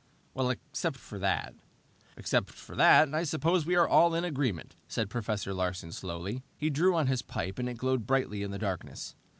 "Well, except for that...." "Except for that, I suppose we are all in agreement," said Professor Larsen slowly. He drew on his pipe and it glowed brightly in the darkness.